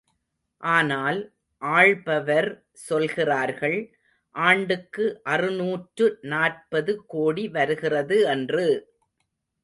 ஆனால், ஆள்பவர் சொல்கிறார்கள், ஆண்டுக்கு அறுநூற்று நாற்பது கோடி வருகிறது என்று!